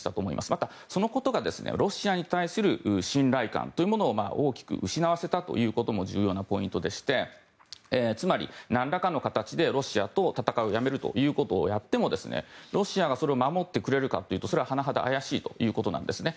また、そのことがロシアに対する信頼感というものを大きく失わせたということも重要なポイントでしてつまり、何らかの形でロシアと戦いをやめるということをやってもロシアがそれを守ってくれるかというとそれは甚だ怪しいということなんですね。